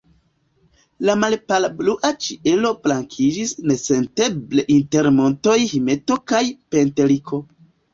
La malpalblua ĉielo blankiĝis nesenteble inter montoj Himeto kaj Penteliko.